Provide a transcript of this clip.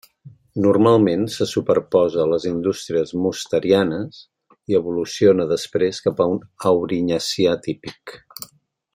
Normalment se superposa a les indústries mosterianes i evoluciona després cap a un aurinyacià típic.